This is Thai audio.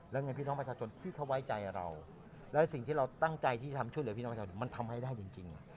และเงินพี่น้องประชาชนที่เขาไว้ใจเราและสิ่งที่เราตั้งใจที่จะทำช่วยเหลือพี่น้องประชาชนมันทำให้ได้จริง